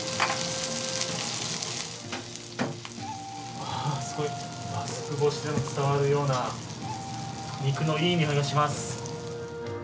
わあ、すごい、マスク越しでも伝わるような肉のいい匂いがします。